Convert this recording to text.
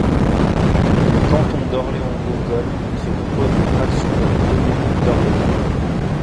Le canton d'Orléans-Bourgogne se compose d’une fraction de la commune d'Orléans.